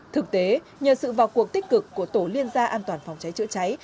thực tế nhờ sự vào cuộc tích cực của tổ liên gia an toàn phòng cháy chữa cháy